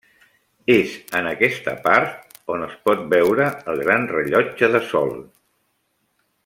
És en aquesta part on es pot veure el gran rellotge de sol.